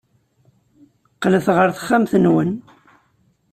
Qqlet ɣer texxamt-nwen.